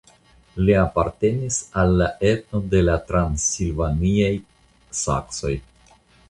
Li apartenis al la etno de la transilvaniaj saksoj.